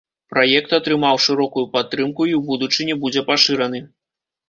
Праект атрымаў шырокую падтрымку і ў будучыні будзе пашыраны.